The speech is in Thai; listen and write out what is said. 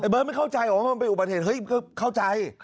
เบิร์ตไม่เข้าใจหรอกว่ามันเป็นอุบัติเหตุเฮ้ยก็เข้าใจ